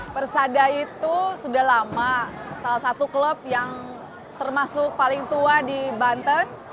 persada itu sudah lama salah satu klub yang termasuk paling tua di banten